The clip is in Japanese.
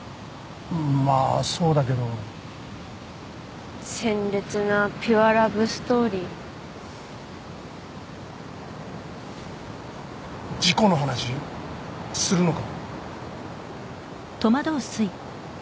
まあそうだけど鮮烈なピュアラブストーリー事故の話するのか？